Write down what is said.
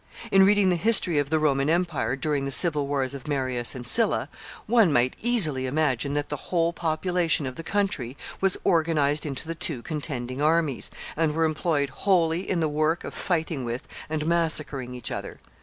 In reading the history of the Roman empire during the civil wars of Marius and Sylla, one might easily imagine that the whole population of the country was organized into the two contending armies, and were employed wholly in the work of fighting with and massacring each other.